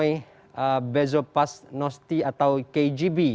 ini adalah bezopasnosti atau kgb